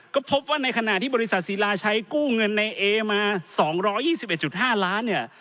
ก็พบว่าในขณะที่บริษัทศิลาใช้กู้เงินในเอมา๒๒๑๕ล้านเนี่ย